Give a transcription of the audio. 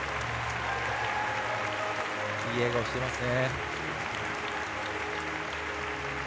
いい笑顔してますね。